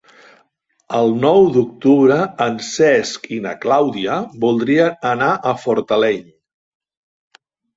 El nou d'octubre en Cesc i na Clàudia voldrien anar a Fortaleny.